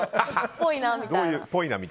っぽいなみたいな。